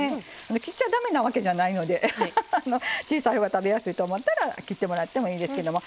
ちっちゃいのがだめなわけじゃないのでちっちゃいのが食べやすいと思ったら切ってもらったらいいですけど。